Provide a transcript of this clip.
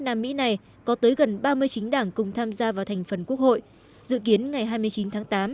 pháp này có tới gần ba mươi chín đảng cùng tham gia vào thành phần quốc hội dự kiến ngày hai mươi chín tháng tám